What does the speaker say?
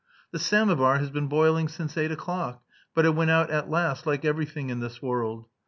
"The samovar has been boiling since eight o'clock, but it went out at last like everything in this world.